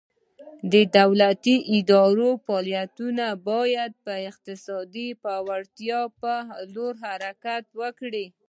د دولتي ادارو فعالیتونه باید د اقتصادي پیاوړتیا په لور حرکت وکړي.